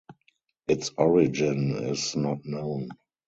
Its origin is not known.